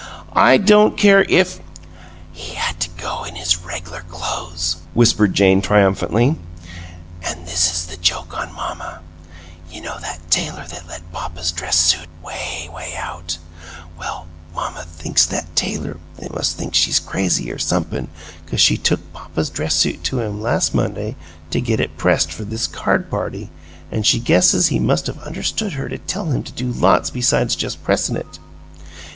"I don't care if " "He had to go in his reg'lar clo'es!" whispered Jane, triumphantly. "An' this is the joke on mamma: you know that tailor that let papa's dress suit 'way, 'way out; well, Mamma thinks that tailor must think she's crazy, or somep'm 'cause she took papa's dress suit to him last Monday to get it pressed for this card party, an she guesses he must of understood her to tell him to do lots besides just pressin' it.